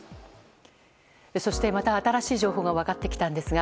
そして、また新しい情報が分かってきたんですが。